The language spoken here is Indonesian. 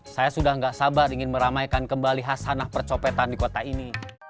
saya sudah tidak sabar ingin meramaikan kembali hasanah percopetan di kota ini